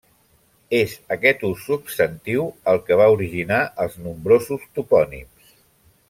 És aquest ús substantiu el que va originar els nombrosos topònims.